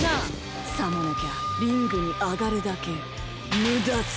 さもなきゃリングにあがるだけムダさ！